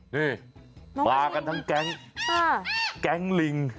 นี่มากันทั้งแก๊งแก๊งลิง